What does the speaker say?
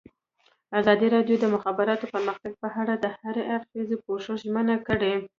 ازادي راډیو د د مخابراتو پرمختګ په اړه د هر اړخیز پوښښ ژمنه کړې.